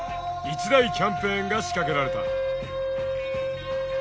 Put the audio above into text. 一大キャンペーンが仕掛けられた。